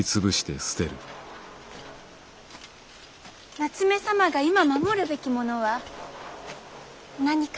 夏目様が今守るべきものは何かしら？